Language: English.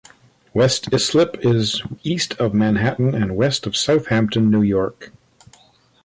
West Islip is east of Manhattan and west of Southampton, New York.